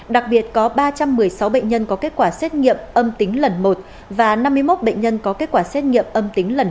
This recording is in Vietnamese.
đặc biệt có ba trăm một mươi sáu bệnh nhân có kết quả xét nghiệm âm tính lần một và năm mươi một bệnh nhân có kết quả xét nghiệm âm tính lần một